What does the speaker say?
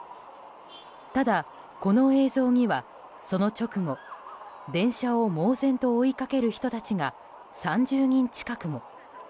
ただ、この映像にはその直後電車を猛然と追いかける人たちが３０人近くも。